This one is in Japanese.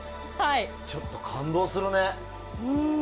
ちょっと感動するね。